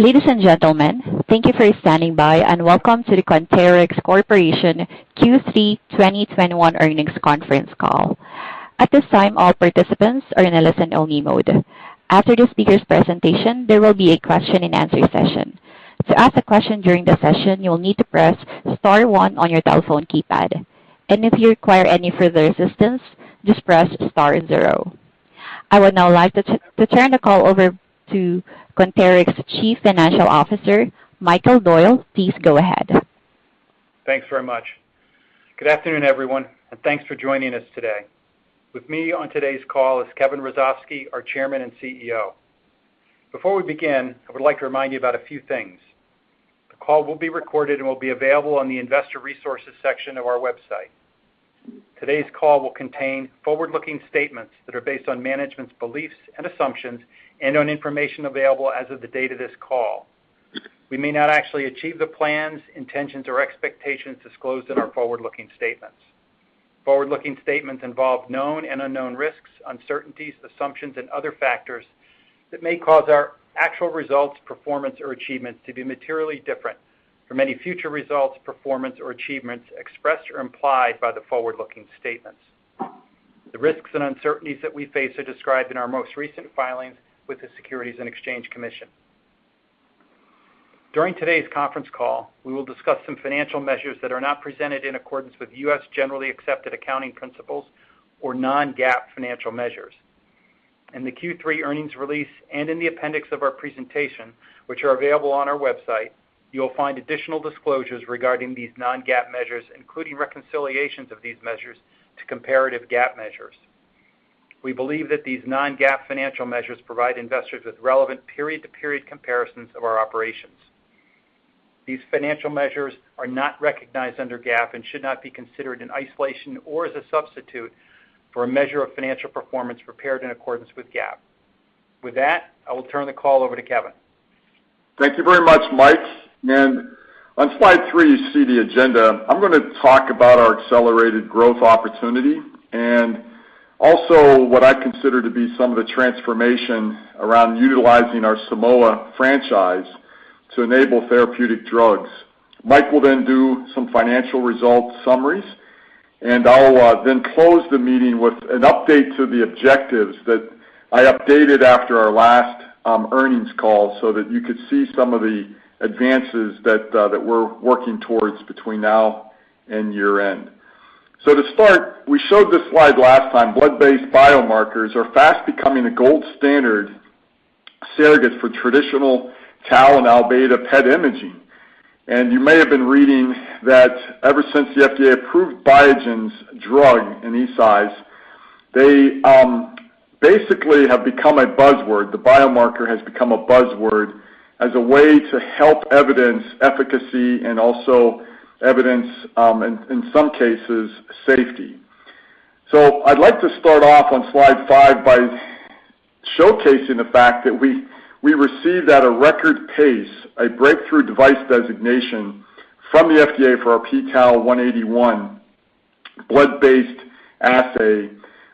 Ladies and gentlemen, thank you for standing by, and welcome to the Quanterix Corporation Q3 2021 earnings conference call. At this time, all participants are in a listen-only mode. After the speaker's presentation, there will be a question and answer session. To ask a question during the session, you will need to press star one on your telephone keypad. If you require any further assistance, just press star zero. I would now like to turn the call over to Quanterix Chief Financial Officer, Michael Doyle. Please go ahead. Thanks very much. Good afternoon, everyone, and thanks for joining us today. With me on today's call is Kevin Hrusovsky, our Chairman and CEO. Before we begin, I would like to remind you about a few things. The call will be recorded and will be available on the investor resources section of our website. Today's call will contain forward-looking statements that are based on management's beliefs and assumptions and on information available as of the date of this call. We may not actually achieve the plans, intentions, or expectations disclosed in our forward-looking statements. Forward-looking statements involve known and unknown risks, uncertainties, assumptions, and other factors that may cause our actual results, performance, or achievements to be materially different from any future results, performance, or achievements expressed or implied by the forward-looking statements. The risks and uncertainties that we face are described in our most recent filings with the Securities and Exchange Commission. During today's conference call, we will discuss some financial measures that are not presented in accordance with U.S. generally accepted accounting principles or non-GAAP financial measures. In the Q3 earnings release and in the appendix of our presentation, which are available on our website, you will find additional disclosures regarding these non-GAAP measures, including reconciliations of these measures to comparative GAAP measures. We believe that these non-GAAP financial measures provide investors with relevant period-to-period comparisons of our operations. These financial measures are not recognized under GAAP and should not be considered in isolation or as a substitute for a measure of financial performance prepared in accordance with GAAP. With that, I will turn the call over to Kevin. Thank you very much, Mike. On slide three, you see the agenda. I'm gonna talk about our accelerated growth opportunity and also what I consider to be some of the transformation around utilizing our Simoa franchise to enable therapeutic drugs. Mike will then do some financial results summaries, and I'll then close the meeting with an update to the objectives that I updated after our last earnings call so that you could see some of the advances that we're working towards between now and year-end. To start, we showed this slide last time. Blood-based biomarkers are fast becoming a gold standard surrogate for traditional tau and Aβ PET imaging. You may have been reading that ever since the FDA approved Biogen's drug and Eisai's, they basically have become a buzzword. The biomarker has become a buzzword as a way to help evidence efficacy and also evidence, in some cases, safety. I'd like to start off on slide five by showcasing the fact that we received at a record pace a Breakthrough Device Designation from the FDA for our p-tau181 blood-based assay,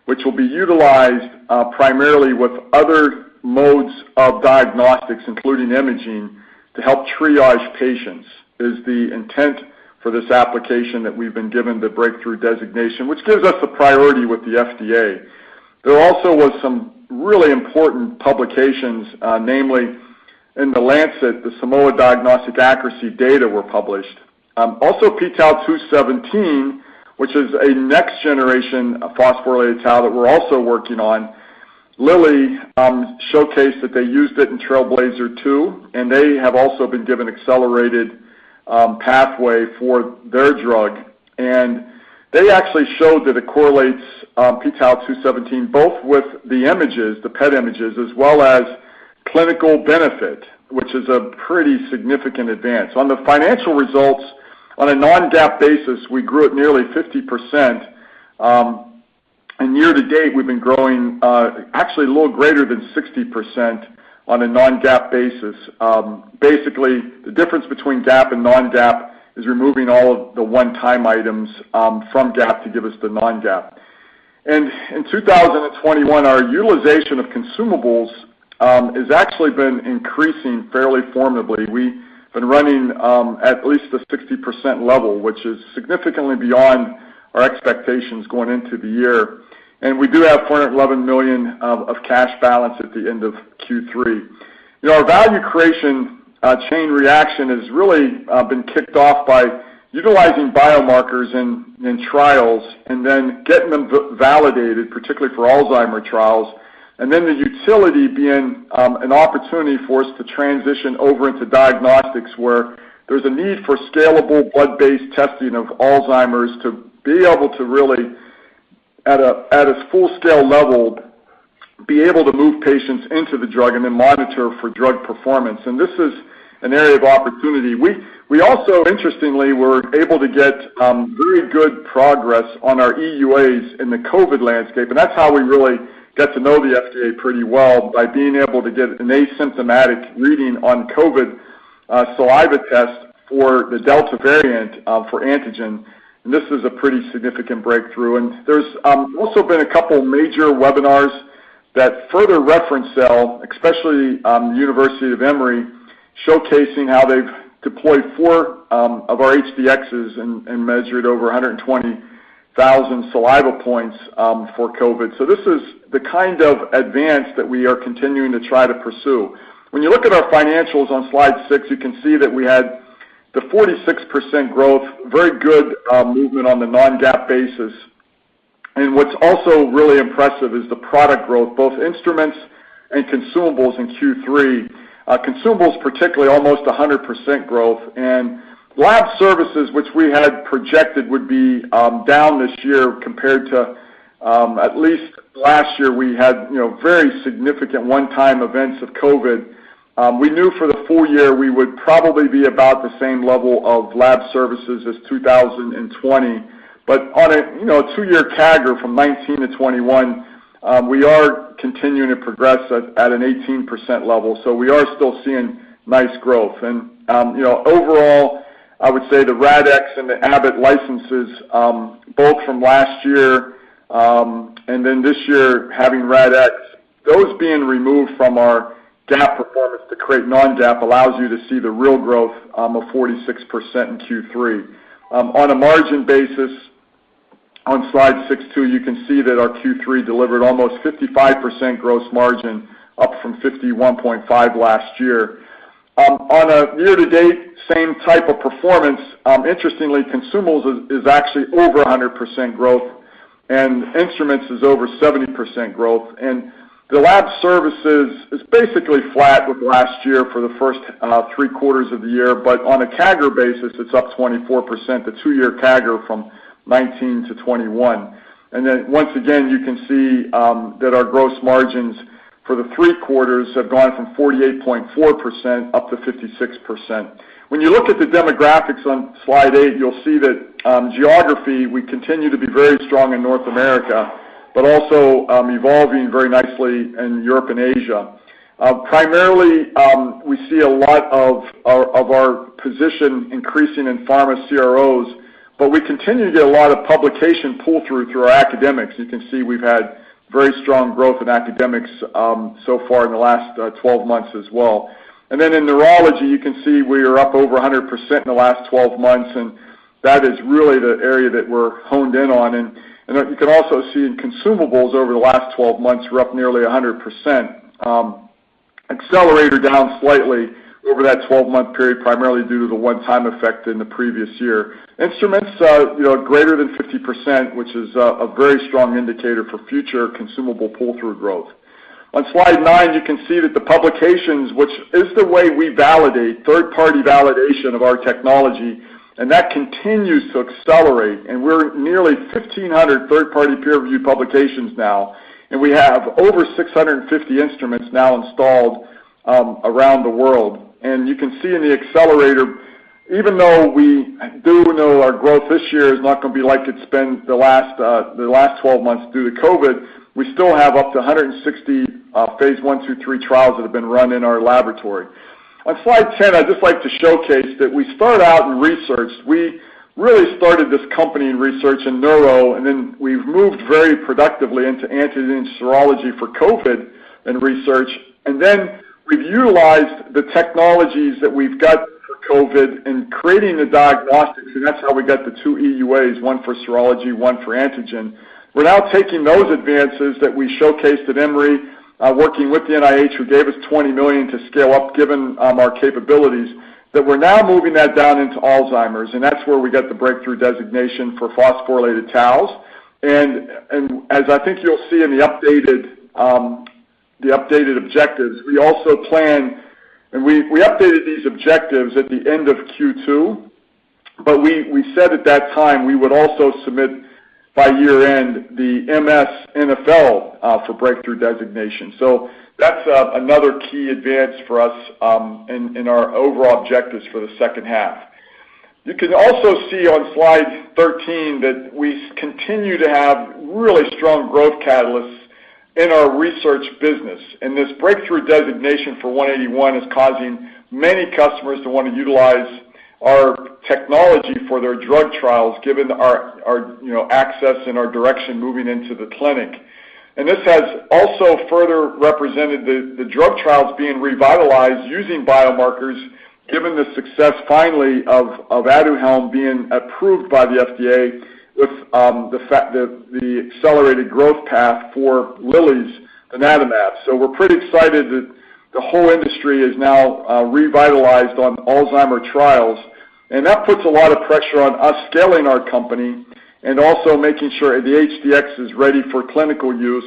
which will be utilized primarily with other modes of diagnostics, including imaging to help triage patients, is the intent for this application that we've been given the Breakthrough Device Designation, which gives us a priority with the FDA. There also was some really important publications, namely in The Lancet, the Simoa diagnostic accuracy data were published. Also p-tau217, which is a next generation of phosphorylated tau that we're also working on. Lilly showcased that they used it in TRAILBLAZER-ALZ 2, and they have also been given accelerated pathway for their drug. They actually showed that it correlates p-tau217, both with the images, the PET images, as well as clinical benefit, which is a pretty significant advance. On the financial results, on a non-GAAP basis, we grew at nearly 50%. Year-to-date, we've been growing, actually a little greater than 60% on a non-GAAP basis. Basically, the difference between GAAP and non-GAAP is removing all of the one-time items from GAAP to give us the non-GAAP. In 2021, our utilization of consumables has actually been increasing fairly formidably. We've been running at least the 60% level, which is significantly beyond our expectations going into the year. We do have $411 million of cash balance at the end of Q3. You know, our value creation chain reaction has really been kicked off by utilizing biomarkers in trials and then getting them validated, particularly for Alzheimer's trials. Then the utility being an opportunity for us to transition over into diagnostics, where there's a need for scalable blood-based testing of Alzheimer's to be able to really at a full-scale level be able to move patients into the drug and then monitor for drug performance. This is an area of opportunity. We also, interestingly, were able to get very good progress on our EUAs in the COVID landscape, and that's how we really got to know the FDA pretty well by being able to get an asymptomatic reading on COVID saliva test for the Delta variant for antigen. This is a pretty significant breakthrough. There's also been a couple major webinars that further reference Quanterix, especially University of Emory, showcasing how they've deployed four of our HD-Xs and measured over 120,000 saliva points for COVID. This is the kind of advance that we are continuing to try to pursue. When you look at our financials on slide six, you can see that we had the 46% growth, very good movement on the non-GAAP basis. What's also really impressive is the product growth, both instruments and consumables in Q3. Consumables, particularly almost 100% growth. Lab services, which we had projected would be down this year compared to at least last year, we had, you know, very significant one-time events of COVID. We knew for the full year, we would probably be about the same level of lab services as 2020. On a, you know, two-year CAGR from 2019 to 2021, we are continuing to progress at an 18% level, so we are still seeing nice growth. Overall, I would say the RADx and the Abbott licenses, both from last year, and then this year having RADx, those being removed from our GAAP performance to create non-GAAP allows you to see the real growth of 46% in Q3. On a margin basis, on slide six too, you can see that our Q3 delivered almost 55% gross margin, up from 51.5 last year. On a year-to-date, same type of performance, interestingly, consumables is actually over 100% growth, and instruments is over 70% growth. The lab services is basically flat with last year for the first three quarters of the year, but on a CAGR basis, it's up 24%, the two-year CAGR from 2019 to 2021. Once again, you can see that our gross margins for the three quarters have gone from 48.4% up to 56%. When you look at the demographics on slide eight, you'll see that geography, we continue to be very strong in North America, but also evolving very nicely in Europe and Asia. Primarily, we see a lot of our position increasing in pharma CROs, but we continue to get a lot of publication pull-through through our academics. You can see we've had very strong growth in academics so far in the last 12 months as well. In neurology, you can see we are up over 100% in the last 12 months, and that is really the area that we're honed in on. You can also see in consumables over the last 12 months, we're up nearly 100%. Accelerator down slightly over that 12-month period, primarily due to the one-time effect in the previous year. Instruments, you know, greater than 50%, which is a very strong indicator for future consumable pull-through growth. On slide nine, you can see that the publications, which is the way we validate, third-party validation of our technology, and that continues to accelerate, and we're nearly 1,500 third-party peer review publications now. We have over 650 instruments now installed around the world. You can see in the Accelerator, even though we do know our growth this year is not gonna be like it's been the last 12 months due to COVID, we still have up to 160 phase I through III trials that have been run in our laboratory. On slide 10, I'd just like to showcase that we started out in research. We really started this company in research in neuro, and then we've moved very productively into antigen serology for COVID and research. We've utilized the technologies that we've got for COVID in creating the diagnostics, and that's how we got the two EUAs, one for serology, one for antigen. We're now taking those advances that we showcased at Emory, working with the NIH, who gave us $20 million to scale up given our capabilities, that we're now moving that down into Alzheimer's, and that's where we got the breakthrough designation for phosphorylated tau. As I think you'll see in the updated objectives, we also plan. We updated these objectives at the end of Q2, but we said at that time, we would also submit by year end the MS NfL for breakthrough designation. That's another key advance for us in our overall objectives for the second half. You can also see on slide 13 that we continue to have really strong growth catalysts in our research business. This breakthrough designation for 181 is causing many customers to wanna utilize our technology for their drug trials, given our you know access and our direction moving into the clinic. This has also further represented the drug trials being revitalized using biomarkers, given the success finally of Aduhelm being approved by the FDA with the fact that the accelerated growth path for Lilly's donanemab. We're pretty excited that the whole industry is now revitalized on Alzheimer's trials. That puts a lot of pressure on us scaling our company and also making sure the HD-X is ready for clinical use,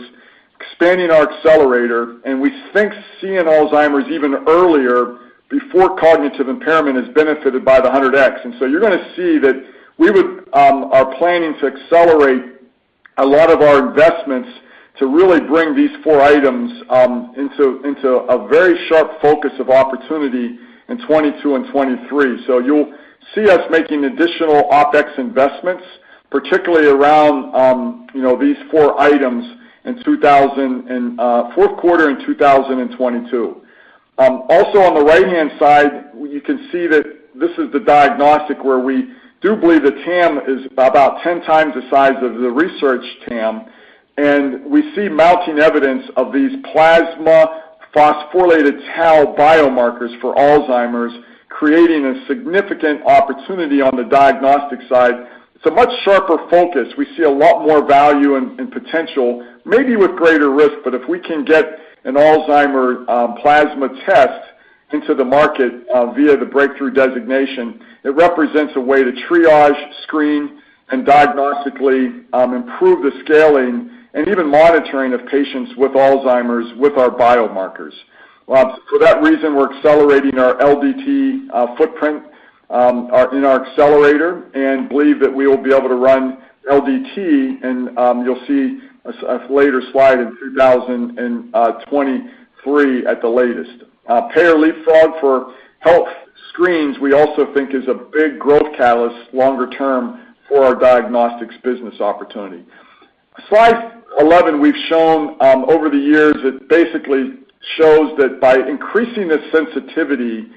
expanding our Accelerator, and we think seeing Alzheimer's even earlier before cognitive impairment is benefited by the HD-X. You're gonna see that we are planning to accelerate a lot of our investments to really bring these four items into a very sharp focus of opportunity in 2022 and 2023. You'll see us making additional OpEx investments particularly around you know these four items in the fourth quarter in 2022. Also on the right-hand side, you can see that this is the diagnostic where we do believe the TAM is about 10 times the size of the research TAM, and we see mounting evidence of these plasma phosphorylated tau biomarkers for Alzheimer's, creating a significant opportunity on the diagnostic side. It's a much sharper focus. We see a lot more value and potential, maybe with greater risk, but if we can get an Alzheimer's plasma test into the market via the breakthrough designation, it represents a way to triage, screen, and diagnostically improve the scaling and even monitoring of patients with Alzheimer's with our biomarkers. For that reason, we're accelerating our LDT footprint in our Accelerator and believe that we will be able to run LDT, and you'll see a later slide in 2023 at the latest. Payer leapfrog for health screens, we also think is a big growth catalyst longer term for our diagnostics business opportunity. Slide 11, we've shown over the years, it basically shows that by increasing the sensitivity,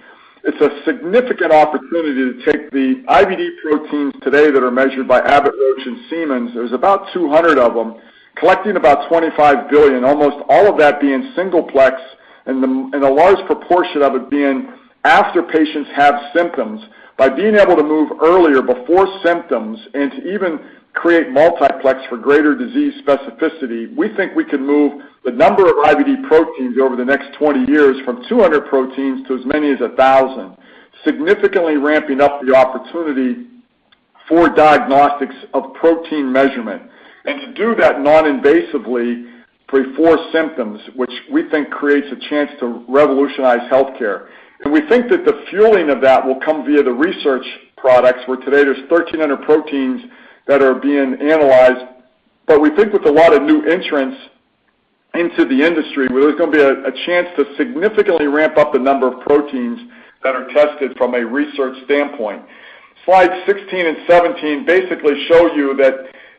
it's a significant opportunity to take the IVD proteins today that are measured by Abbott, Roche, and Siemens. There's about 200 of them, collecting about $25 billion, almost all of that being singleplex and a large proportion of it being after patients have symptoms. By being able to move earlier before symptoms and to even create multiplex for greater disease specificity, we think we can move the number of IVD proteins over the next 20 years from 200 proteins to as many as 1,000, significantly ramping up the opportunity for diagnostics of protein measurement. To do that noninvasively before symptoms, which we think creates a chance to revolutionize healthcare. We think that the fueling of that will come via the research products, where today there's 1,300 proteins that are being analyzed. We think with a lot of new entrants into the industry, where there's gonna be a chance to significantly ramp up the number of proteins that are tested from a research standpoint. Slide 16 and 17 basically show you that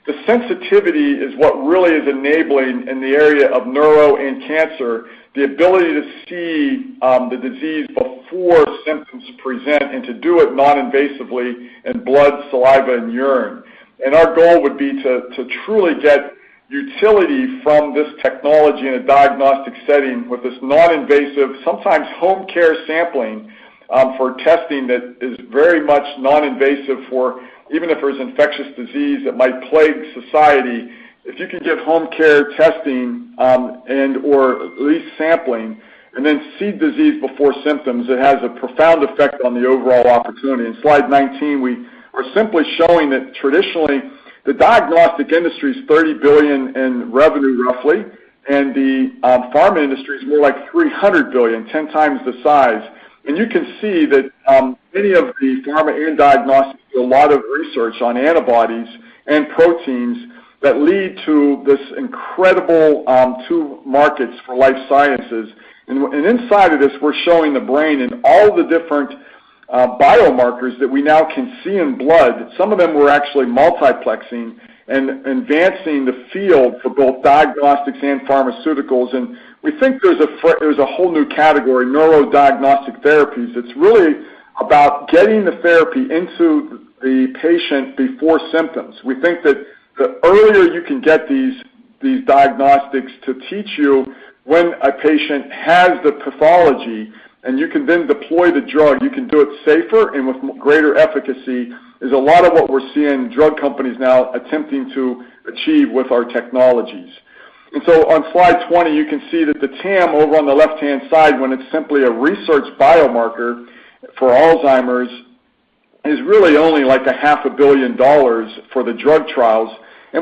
the sensitivity is what really is enabling in the area of neuro and cancer, the ability to see the disease before symptoms present and to do it noninvasively in blood, saliva, and urine. Our goal would be to truly get utility from this technology in a diagnostic setting with this noninvasive, sometimes home care sampling for testing that is very much noninvasive for even if there's infectious disease that might plague society. If you can give home care testing, and or at least sampling, and then see disease before symptoms, it has a profound effect on the overall opportunity. In slide 19, we are simply showing that traditionally, the diagnostic industry is $30 billion in revenue roughly, and the pharma industry is more like $300 billion, 10 times the size. You can see that many of the pharma and diagnostics do a lot of research on antibodies and proteins that lead to this incredible two markets for life sciences. And inside of this, we're showing the brain and all the different biomarkers that we now can see in blood. Some of them we're actually multiplexing and advancing the field for both diagnostics and pharmaceuticals. We think there's a whole new category, neurodiagnostic therapies, that's really about getting the therapy into the patient before symptoms. We think that the earlier you can get these diagnostics to teach you when a patient has the pathology, and you can then deploy the drug, you can do it safer and with greater efficacy, is a lot of what we're seeing drug companies now attempting to achieve with our technologies. On slide 20, you can see that the TAM over on the left-hand side, when it's simply a research biomarker for Alzheimer's, is really only like $ half a billion for the drug trials.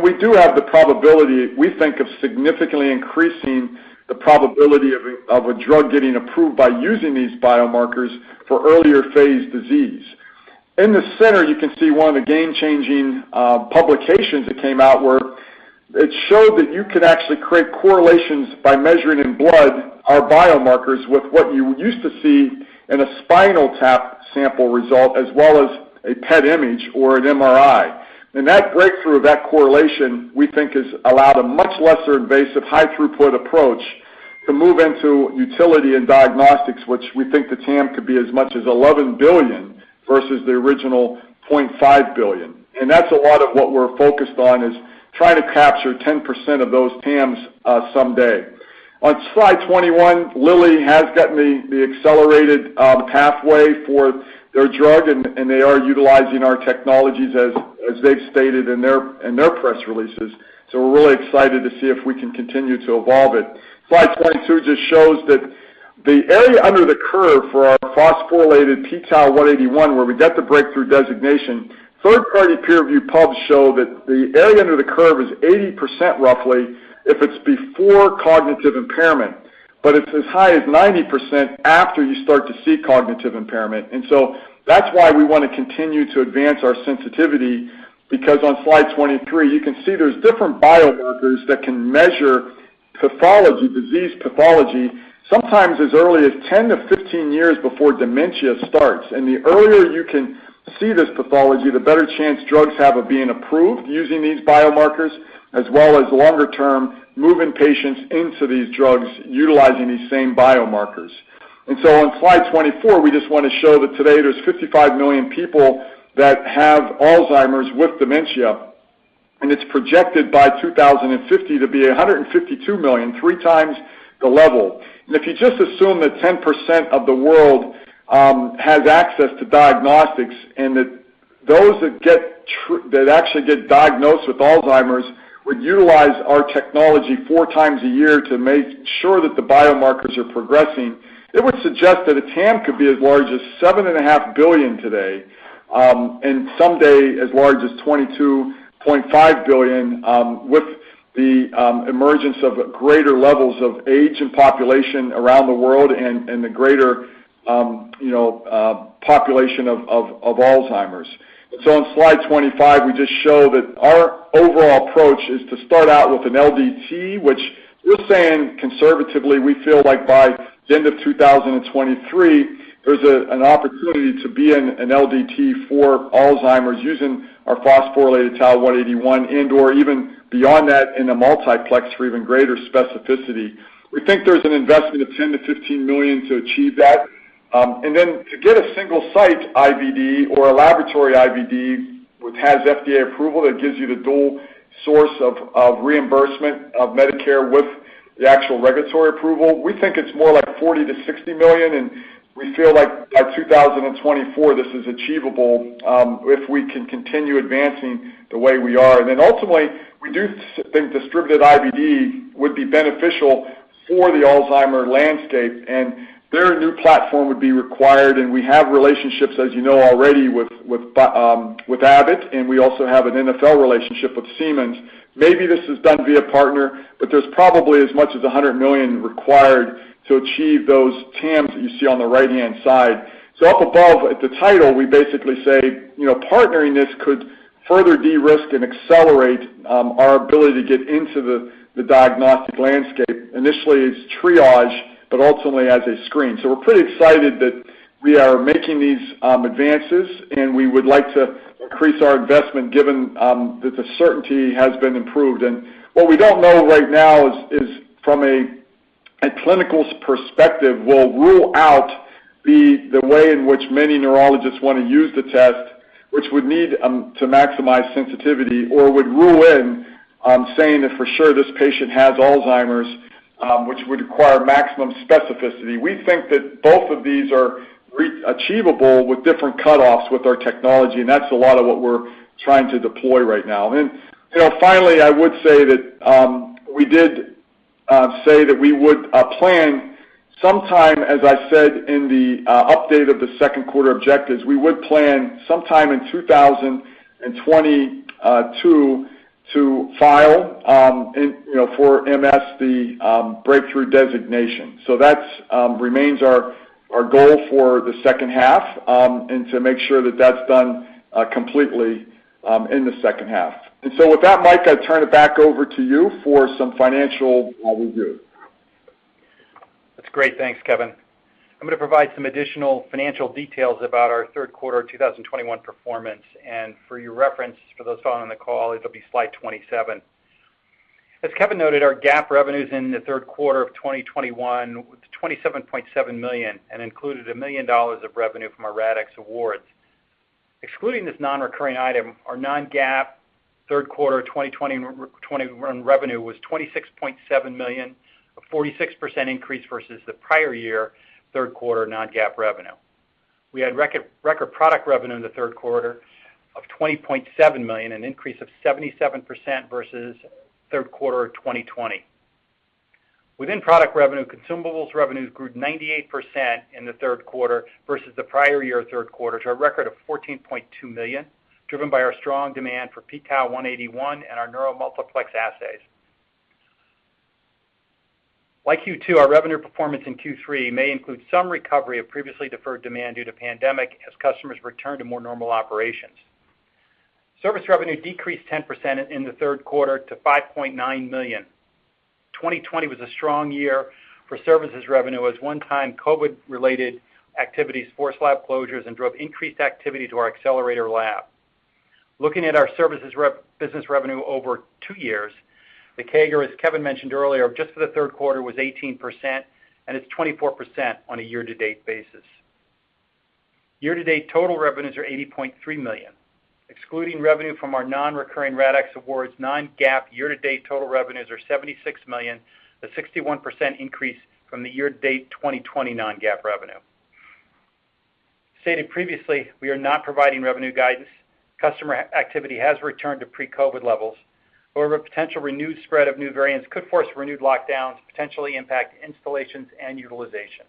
We do have the probability, we think, of significantly increasing the probability of a drug getting approved by using these biomarkers for earlier phase disease. In the center, you can see one of the game-changing publications that came out, where it showed that you could actually create correlations by measuring in blood our biomarkers with what you used to see in a spinal tap sample result as well as a PET image or an MRI. That breakthrough of that correlation, we think, has allowed a much lesser invasive, high throughput approach to move into utility and diagnostics, which we think the TAM could be as much as $11 billion versus the original $0.5 billion. That's a lot of what we're focused on is trying to capture 10% of those TAMs someday. On slide 21, Lilly has gotten the accelerated pathway for their drug and they are utilizing our technologies as they've stated in their press releases. We're really excited to see if we can continue to evolve it. Slide 22 just shows that the area under the curve for our phosphorylated p-tau181, where we got the breakthrough designation. Third-party peer-review pubs show that the area under the curve is 80% roughly if it's before cognitive impairment. It's as high as 90% after you start to see cognitive impairment. That's why we wanna continue to advance our sensitivity, because on Slide 23, you can see there's different biomarkers that can measure pathology, disease pathology, sometimes as early as 10-15 years before dementia starts. The earlier you can see this pathology, the better chance drugs have of being approved using these biomarkers, as well as longer-term, moving patients into these drugs, utilizing these same biomarkers. On slide 24, we just want to show that today there's 55 million people that have Alzheimer's with dementia, and it's projected by 2050 to be 152 million, three times the level. If you just assume that 10% of the world has access to diagnostics and that those that actually get diagnosed with Alzheimer's would utilize our technology four times a year to make sure that the biomarkers are progressing, it would suggest that a TAM could be as large as $7.5 billion today, and someday as large as $22.5 billion, with the emergence of greater levels of age and population around the world and the greater population of Alzheimer's. On slide 25, we just show that our overall approach is to start out with an LDT, which we're saying conservatively, we feel like by the end of 2023, there's an opportunity to be an LDT for Alzheimer's using our phosphorylated tau 181 and/or even beyond that in a multiplex for even greater specificity. We think there's an investment of $10 million-$15 million to achieve that. And then to get a single site IVD or a laboratory IVD, which has FDA approval, that gives you the dual source of reimbursement of Medicare with the actual regulatory approval, we think it's more like $40 million-$60 million, and we feel like by 2024, this is achievable, if we can continue advancing the way we are. Ultimately, we do think distributed IVD would be beneficial for the Alzheimer's landscape, and there, a new platform would be required. We have relationships, as you know already, with Abbott, and we also have an NFL relationship with Siemens. Maybe this is done via partner, but there's probably as much as $100 million required to achieve those TAMs that you see on the right-hand side. Up above at the title, we basically say, you know, partnering this could further de-risk and accelerate our ability to get into the diagnostic landscape. Initially it's triage, but ultimately as a screen. We're pretty excited that we are making these advances, and we would like to increase our investment given that the certainty has been improved. What we don't know right now is from a clinician's perspective, will rule out the way in which many neurologists wanna use the test, which would need to maximize sensitivity or would rule in saying that for sure this patient has Alzheimer's, which would require maximum specificity. We think that both of these are achievable with different cutoffs with our technology, and that's a lot of what we're trying to deploy right now. You know, finally, I would say that we did say that we would plan sometime, as I said in the update of the second quarter objectives, we would plan sometime in 2022 to file, you know, for MS breakthrough designation. That remains our goal for the second half, and to make sure that that's done completely in the second half. With that, Mike, I turn it back over to you for some financial review. That's great. Thanks, Kevin. I'm gonna provide some additional financial details about our third quarter 2021 performance. For your reference, for those following the call, it'll be slide 27. As Kevin noted, our GAAP revenues in the third quarter of 2021 was $27.7 million and included $1 million of revenue from our RADx awards. Excluding this non-recurring item, our non-GAAP third quarter 2021 revenue was $26.7 million, a 46% increase versus the prior year third quarter non-GAAP revenue. We had record product revenue in the third quarter of $20.7 million, an increase of 77% versus third quarter of 2020. Within product revenue, consumables revenues grew 98% in the third quarter versus the prior year third quarter to a record of $14.2 million, driven by our strong demand for p-tau181 and our NeuroMultiplex assays. Like Q2, our revenue performance in Q3 may include some recovery of previously deferred demand due to pandemic as customers return to more normal operations. Service revenue decreased 10% in the third quarter to $5.9 million. 2020 was a strong year for services revenue as one-time COVID-related activities forced lab closures and drove increased activity to our Accelerator lab. Looking at our business revenue over two years, the CAGR, as Kevin mentioned earlier, just for the third quarter was 18%, and it's 24% on a year-to-date basis. Year-to-date total revenues are $80.3 million. Excluding revenue from our non-recurring RADx awards, non-GAAP year-to-date total revenues are $76 million, a 61% increase from the year-to-date 2020 non-GAAP revenue. Stated previously, we are not providing revenue guidance. Customer activity has returned to pre-COVID levels. However, potential renewed spread of new variants could force renewed lockdowns, potentially impact installations and utilization.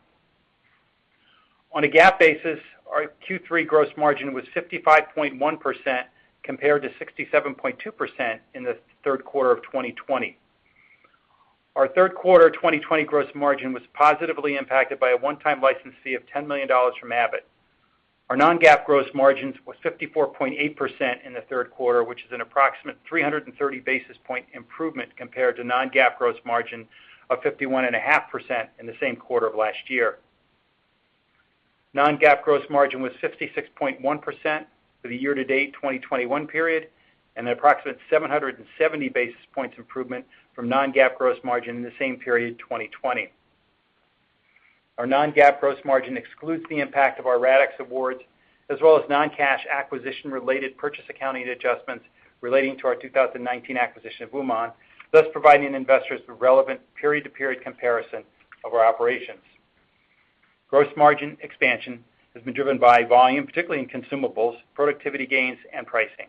On a GAAP basis, our Q3 gross margin was 55.1% compared to 67.2% in the third quarter of 2020. Our third quarter 2020 gross margin was positively impacted by a one-time license fee of $10 million from Abbott. Our non-GAAP gross margins was 54.8% in the third quarter, which is an approximate 330 basis point improvement compared to non-GAAP gross margin of 51.5% in the same quarter of last year. Non-GAAP gross margin was 66.1% for the year-to-date 2021 period and an approximate 770 basis points improvement from non-GAAP gross margin in the same period 2020. Our non-GAAP gross margin excludes the impact of our RADx awards as well as non-cash acquisition related purchase accounting adjustments relating to our 2019 acquisition of Uman, thus providing investors with relevant period-to-period comparison of our operations. Gross margin expansion has been driven by volume, particularly in consumables, productivity gains and pricing.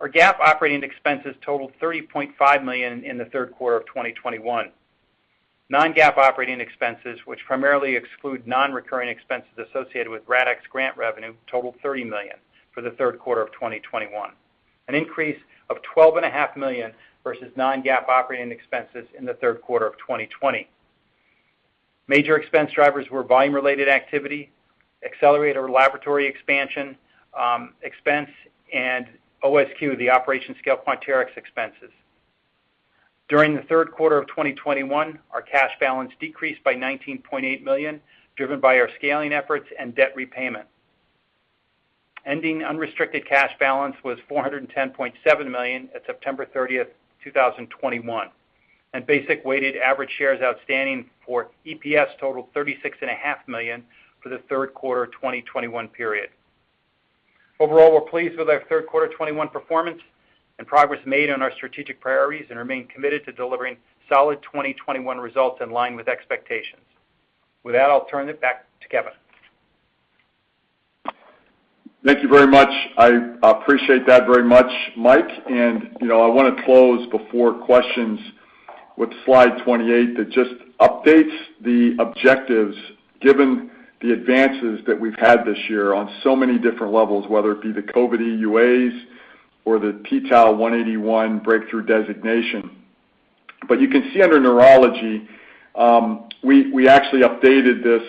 Our GAAP operating expenses totaled $30.5 million in the third quarter of 2021. Non-GAAP operating expenses, which primarily exclude non-recurring expenses associated with RADx grant revenue, totaled $30 million for the third quarter of 2021, an increase of $12.5 million versus non-GAAP operating expenses in the third quarter of 2020. Major expense drivers were volume-related activity, Accelerator Laboratory expansion, expense and OSQ, the Operation Scale Quanterix expenses. During the third quarter of 2021, our cash balance decreased by $19.8 million, driven by our scaling efforts and debt repayment. Ending unrestricted cash balance was $410.7 million at September 30th, 2021, and basic weighted average shares outstanding for EPS totaled 36.5 million for the third quarter 2021 period. Overall, we're pleased with our third quarter 2021 performance and progress made on our strategic priorities and remain committed to delivering solid 2021 results in line with expectations. With that, I'll turn it back to Kevin. Thank you very much. I appreciate that very much, Mike. You know, I wanna close before questions with slide 28 that just updates the objectives given the advances that we've had this year on so many different levels, whether it be the COVID EUAs or the p-tau181 breakthrough designation. You can see under neurology, we actually updated this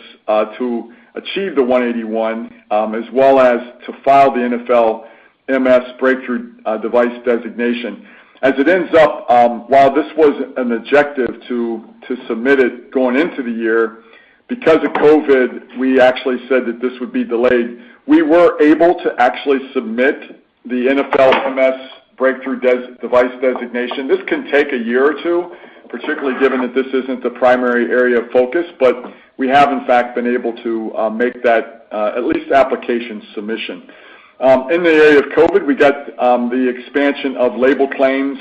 to achieve the 181, as well as to file the NfL MS breakthrough device designation. As it ends up, while this was an objective to submit it going into the year, because of COVID, we actually said that this would be delayed. We were able to actually submit the NfL MS breakthrough device designation. This can take a year or two, particularly given that this isn't the primary area of focus, but we have in fact been able to make that at least application submission. In the area of COVID, we got the expansion of label claims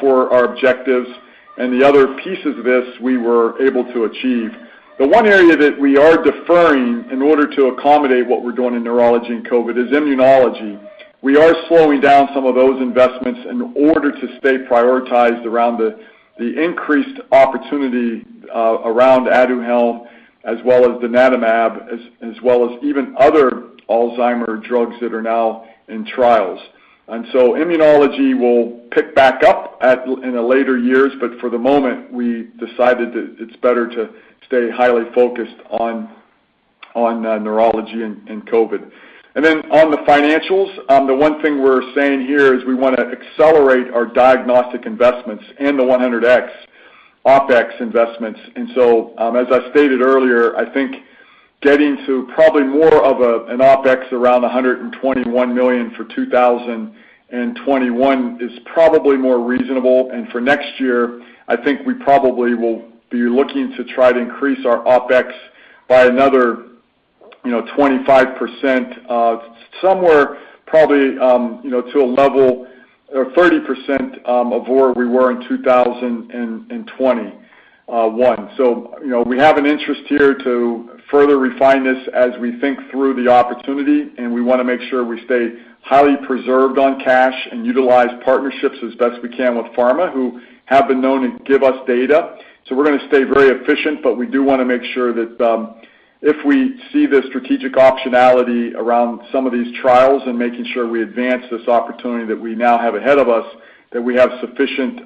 for our objectives. The other piece of this we were able to achieve. The one area that we are deferring in order to accommodate what we're doing in neurology and COVID is immunology. We are slowing down some of those investments in order to stay prioritized around the increased opportunity around Aduhelm as well as donanemab, as well as even other Alzheimer's drugs that are now in trials. Immunology will pick back up in the later years, but for the moment, we decided that it's better to stay highly focused on neurology and COVID. On the financials, the one thing we're saying here is we wanna accelerate our diagnostic investments and the 100X OpEx investments. As I stated earlier, I think getting to probably more of an OpEx around $121 million for 2021 is probably more reasonable. For next year, I think we probably will be looking to try to increase our OpEx by another 25% or somewhere probably to a level of 30% of where we were in 2021. You know, we have an interest here to further refine this as we think through the opportunity, and we wanna make sure we stay highly preserved on cash and utilize partnerships as best we can with pharma, who have been known to give us data. We're gonna stay very efficient, but we do wanna make sure that if we see the strategic optionality around some of these trials and making sure we advance this opportunity that we now have ahead of us, that we have sufficient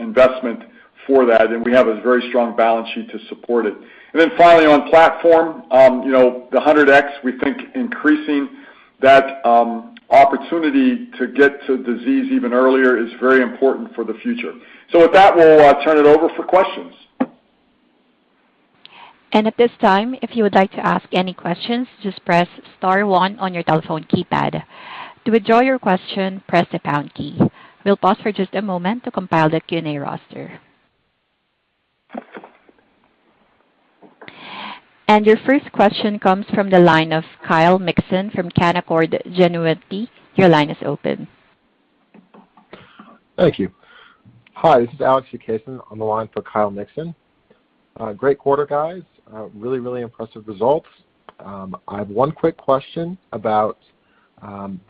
investment for that, and we have a very strong balance sheet to support it. Then finally on platform, you know, the hundred X, we think increasing that opportunity to get to disease even earlier is very important for the future. With that, we'll turn it over for questions. At this time, if you would like to ask any questions, just press star one on your telephone keypad. To withdraw your question, press the pound key. We'll pause for just a moment to compile the Q&A roster. Your first question comes from the line of Kyle Mikson from Canaccord Genuity. Your line is open. Thank you. Hi, this is Alex Vukasin on the line for Kyle Mikson. Great quarter, guys. Really impressive results. I have one quick question about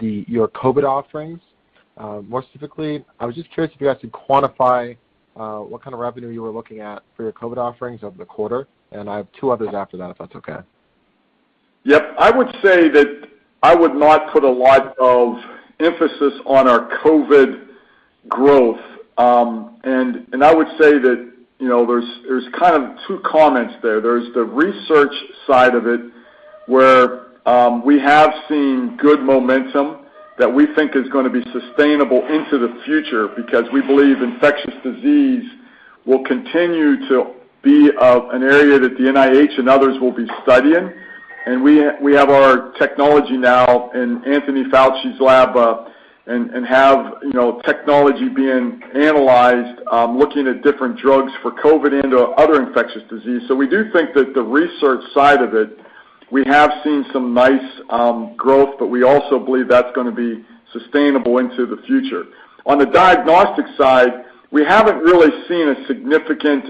your COVID offerings. More specifically, I was just curious if you had to quantify what kind of revenue you were looking at for your COVID offerings over the quarter, and I have two others after that, if that's okay. Yep. I would say that I would not put a lot of emphasis on our COVID growth. I would say that, you know, there's kind of two comments there. There's the research side of it, where we have seen good momentum that we think is gonna be sustainable into the future because we believe infectious disease will continue to be an area that the NIH and others will be studying. We have our technology now in Anthony Fauci's lab, and have, you know, technology being analyzed, looking at different drugs for COVID into other infectious diseases. We do think that the research side of it, we have seen some nice growth, but we also believe that's gonna be sustainable into the future. On the diagnostic side, we haven't really seen a significant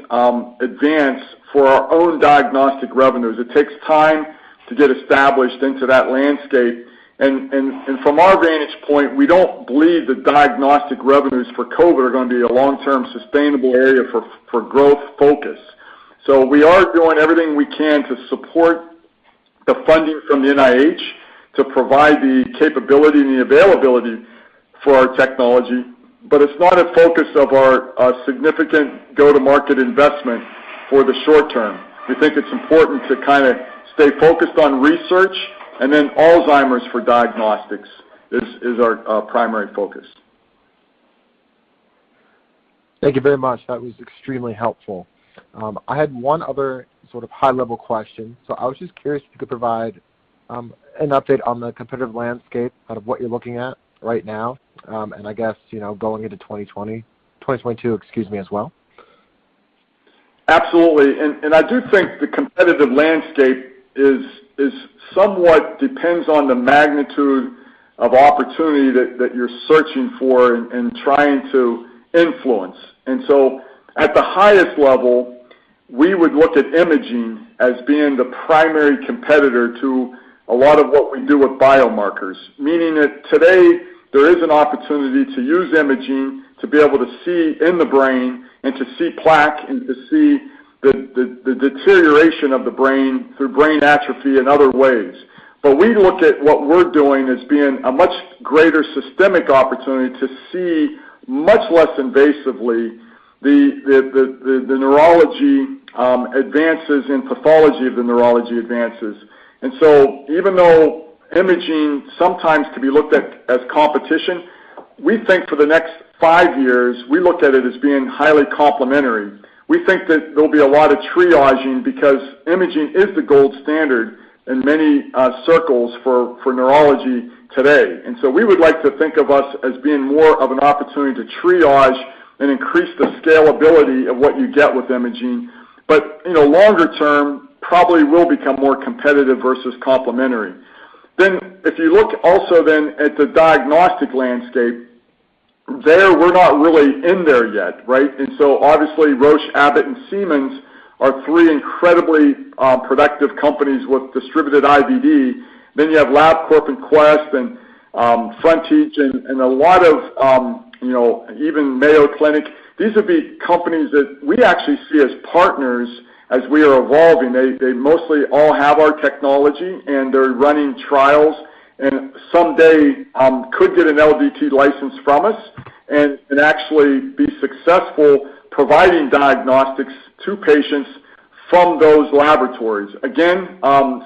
advance for our own diagnostic revenues. It takes time to get established into that landscape. From our vantage point, we don't believe that diagnostic revenues for COVID are gonna be a long-term sustainable area for growth focus. We are doing everything we can to support the funding from the NIH to provide the capability and the availability for our technology, but it's not a focus of our significant go-to-market investment for the short term. We think it's important to kind of stay focused on research and then Alzheimer's for diagnostics is our primary focus. Thank you very much. That was extremely helpful. I had one other sort of high-level question. I was just curious if you could provide an update on the competitive landscape out of what you're looking at right now, and I guess, you know, going into 2022, excuse me, as well. Absolutely. I do think the competitive landscape is somewhat depends on the magnitude of opportunity that you're searching for and trying to influence. At the highest level, we would look at imaging as being the primary competitor to a lot of what we do with biomarkers. Meaning that today, there is an opportunity to use imaging to be able to see in the brain and to see plaque and to see the deterioration of the brain through brain atrophy in other ways. We look at what we're doing as being a much greater systemic opportunity to see much less invasively the neurology advances and pathology of the neurology advances. Even though imaging sometimes can be looked at as competition, we think for the next five years, we look at it as being highly complementary. We think that there'll be a lot of triaging because imaging is the gold standard in many circles for neurology today. We would like to think of us as being more of an opportunity to triage and increase the scalability of what you get with imaging. You know, longer term, probably will become more competitive versus complementary. If you look also then at the diagnostic landscape, there, we're not really in there yet, right? Obviously, Roche, Abbott and Siemens are three incredibly productive companies with distributed IVD. You have Labcorp and Quest and Frontage and a lot of you know, even Mayo Clinic. These would be companies that we actually see as partners as we are evolving. They mostly all have our technology, and they're running trials, and someday could get an LDT license from us and actually be successful providing diagnostics to patients from those laboratories. Again,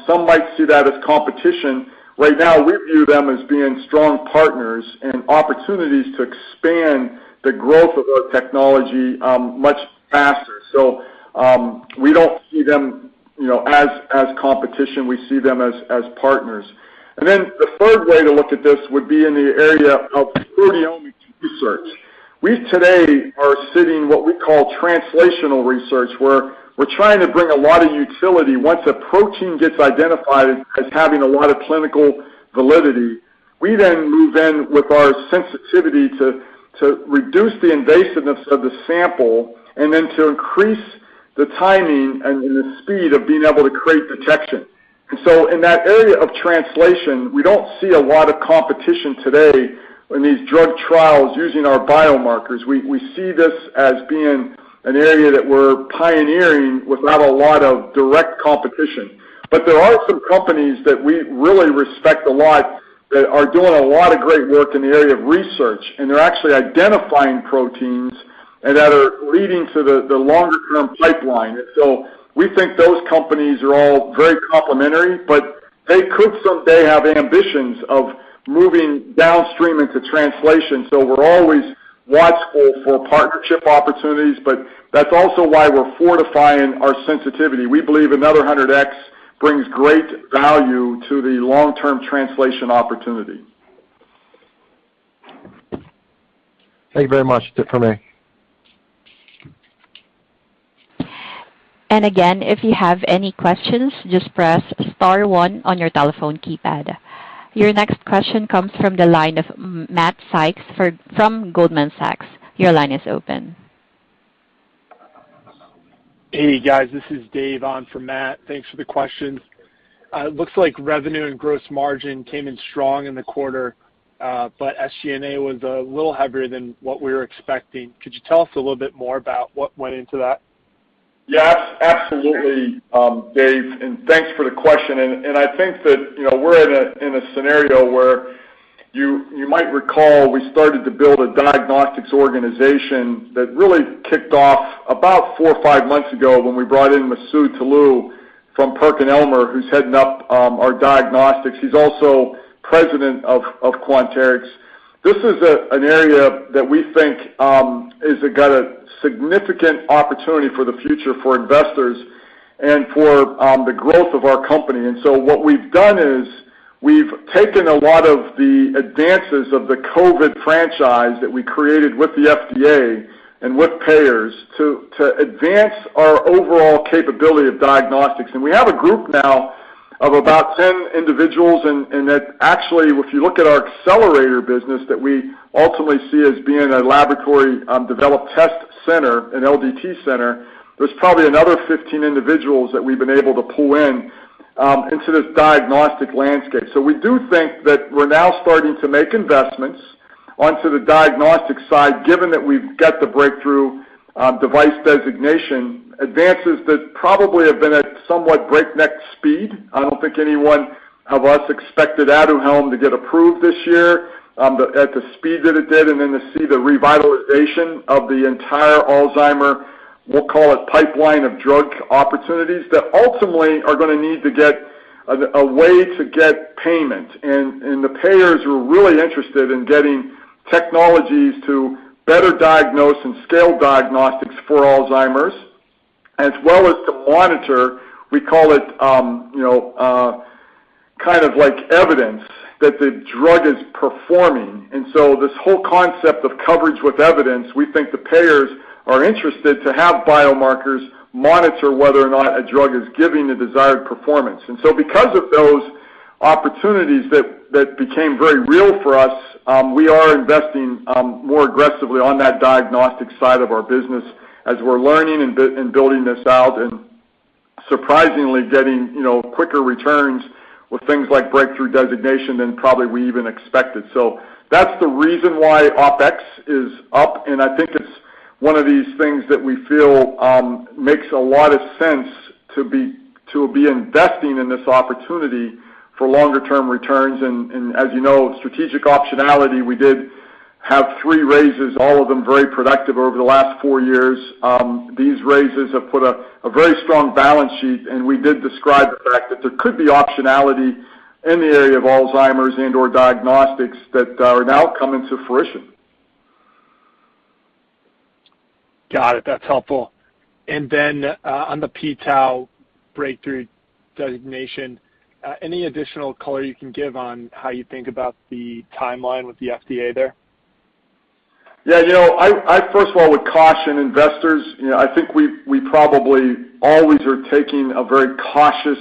some might see that as competition. Right now, we view them as being strong partners and opportunities to expand the growth of our technology much faster. We don't see them, you know, as competition. We see them as partners. Then the third way to look at this would be in the area of proteomic research. We today are sitting on what we call translational research, where we're trying to bring a lot of utility. Once a protein gets identified as having a lot of clinical validity, we then move in with our sensitivity to reduce the invasiveness of the sample and then to increase the timing and the speed of being able to create detection. In that area of translation, we don't see a lot of competition today in these drug trials using our biomarkers. We see this as being an area that we're pioneering with not a lot of direct competition. There are some companies that we really respect a lot that are doing a lot of great work in the area of research, and they're actually identifying proteins that are leading to the longer-term pipeline. We think those companies are all very complementary, but they could someday have ambitions of moving downstream into translation. We're always watchful for partnership opportunities, but that's also why we're fortifying our sensitivity. We believe another100X brings great value to the long-term translation opportunity. Thank you very much. That's it for me. Again, if you have any questions, just press star one on your telephone keypad. Your next question comes from the line of Matt Sykes from Goldman Sachs. Your line is open. Hey, guys. This is Dave on for Matt. Thanks for the questions. It looks like revenue and gross margin came in strong in the quarter, but SG&A was a little heavier than what we were expecting. Could you tell us a little bit more about what went into that? Yes, absolutely, Dave, and thanks for the question. I think that, you know, we're in a scenario where you might recall we started to build a diagnostics organization that really kicked off about four or five months ago when we brought in Masoud Toloue from PerkinElmer, who's heading up our diagnostics. He's also President of Quanterix. This is an area that we think has got a significant opportunity for the future for investors and for the growth of our company. What we've done is we've taken a lot of the advances of the COVID franchise that we created with the FDA and with payers to advance our overall capability of diagnostics. We have a group now of about 10 individuals and that actually, if you look at our accelerator business that we ultimately see as being a laboratory developed test center, an LDT center, there's probably another 15 individuals that we've been able to pull in into this diagnostic landscape. We do think that we're now starting to make investments onto the diagnostic side, given that we've got the breakthrough device designation advances that probably have been at somewhat breakneck speed. I don't think any one of us expected Aduhelm to get approved this year, at the speed that it did and then to see the revitalization of the entire Alzheimer's, we'll call it pipeline of drug opportunities that ultimately are gonna need to get a way to get payment. The payers were really interested in getting technologies to better diagnose and scale diagnostics for Alzheimer's, as well as to monitor, we call it, you know, kind of like evidence that the drug is performing. This whole concept of coverage with evidence, we think the payers are interested to have biomarkers monitor whether or not a drug is giving the desired performance. Because of those opportunities that became very real for us, we are investing more aggressively on that diagnostic side of our business as we're learning and building this out and surprisingly getting, you know, quicker returns with things like breakthrough designation than probably we even expected. That's the reason why OpEx is up, and I think it's one of these things that we feel makes a lot of sense to be investing in this opportunity for longer term returns. As you know, strategic optionality, we did have three raises, all of them very productive over the last four years. These raises have put a very strong balance sheet, and we did describe the fact that there could be optionality in the area of Alzheimer's and/or diagnostics that are now coming to fruition. Got it. That's helpful. On the p-tau breakthrough designation, any additional color you can give on how you think about the timeline with the FDA there? Yeah. You know, I first of all would caution investors. You know, I think we probably always are taking a very cautious,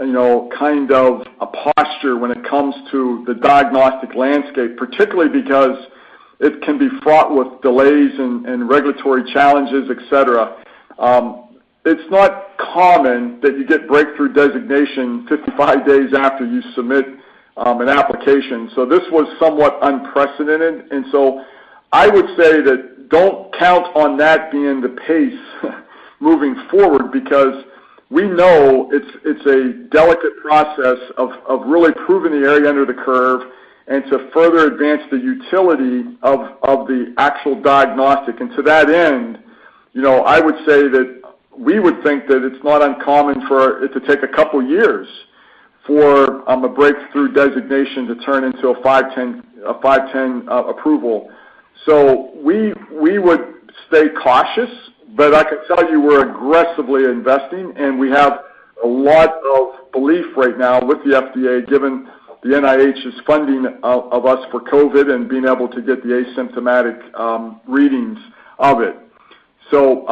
you know, kind of a posture when it comes to the diagnostic landscape, particularly because it can be fraught with delays and regulatory challenges, et cetera. It's not common that you get breakthrough designation 55 days after you submit an application. So this was somewhat unprecedented. I would say that don't count on that being the pace moving forward because we know it's a delicate process of really proving the area under the curve and to further advance the utility of the actual diagnostic. To that end, you know, I would say that we would think that it's not uncommon for it to take a couple years for a breakthrough designation to turn into a 510(k) approval. We would stay cautious, but I can tell you we're aggressively investing, and we have a lot of belief right now with the FDA, given the NIH's funding of us for COVID and being able to get the asymptomatic readings of it. You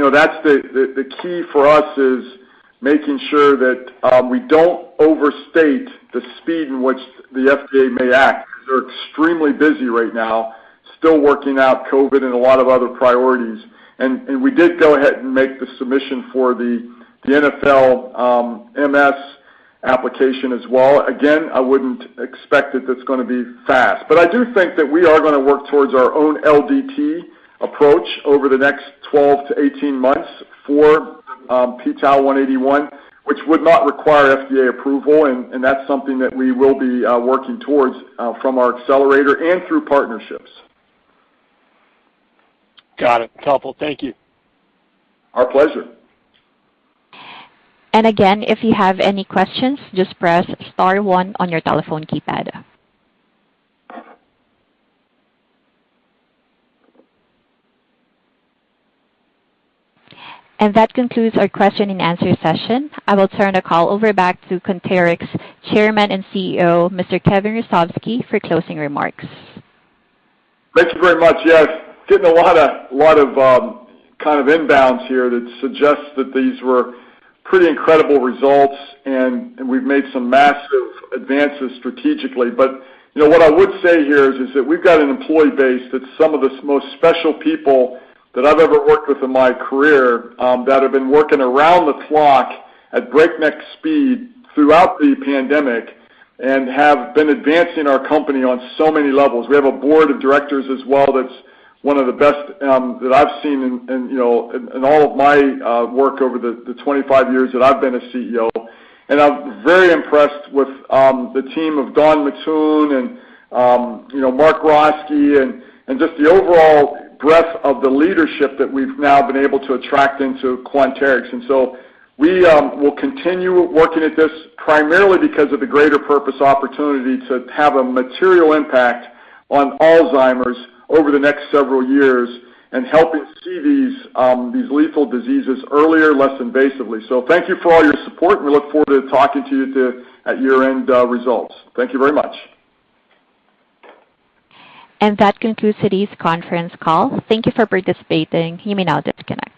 know, that's the key for us, is making sure that we don't overstate the speed in which the FDA may act. They're extremely busy right now, still working out COVID and a lot of other priorities. We did go ahead and make the submission for the NfL MS application as well. Again, I wouldn't expect that that's gonna be fast. I do think that we are gonna work towards our own LDT approach over the next 12-18 months for p-tau181, which would not require FDA approval, and that's something that we will be working towards from our Accelerator and through partnerships. Got it. Helpful. Thank you. Our pleasure. Again, if you have any questions, just press star one on your telephone keypad. That concludes our question and answer session. I will turn the call over back to Quanterix Chairman and CEO, Mr. Kevin Hrusovsky, for closing remarks. Thank you very much. Yes, getting a lot of kind of inbounds here that suggests that these were pretty incredible results, and we've made some massive advances strategically. You know, what I would say here is that we've got an employee base that's some of the most special people that I've ever worked with in my career, that have been working around the clock at breakneck speed throughout the pandemic and have been advancing our company on so many levels. We have a board of directors as well that's one of the best that I've seen in all of my work over the 25 years that I've been a CEO. I'm very impressed with the team of Dawn Mattoon and, you know, Mark Roskey and just the overall breadth of the leadership that we've now been able to attract into Quanterix. We will continue working at this primarily because of the greater purpose opportunity to have a material impact on Alzheimer's over the next several years and helping see these lethal diseases earlier, less invasively. Thank you for all your support, and we look forward to talking to you at year-end results. Thank you very much. That concludes today's conference call. Thank you for participating. You may now disconnect.